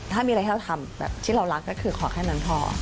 ถ้ามีอะไรที่เราทำแบบที่เรารักก็คือขอแค่นั้นพอ